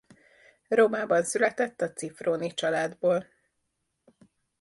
Rómában született a Zifróni-családból.